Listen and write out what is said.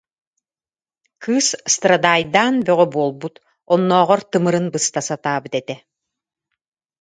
Кыыс страдайдаан бөҕө буолбут, оннооҕор тымырын быста сатаабыт этэ